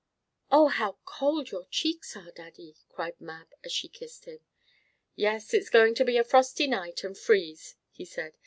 "Oh, how cold your cheeks are, Daddy!" cried Mab as she kissed him. "Yes, it is going to be a frosty night, and freeze," he said.